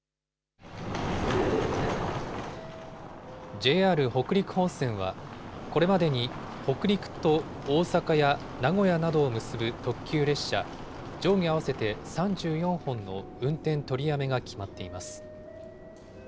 ＪＲ北陸本線は、これまでに北陸と大阪や名古屋などを結ぶ特急列車上下合わせて３４本の運転取りやめが決まっています。